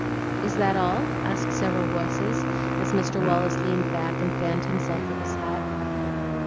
"Is that all?" asked several voices, as Mr. Wallace leaned back and fanned himself with his hat.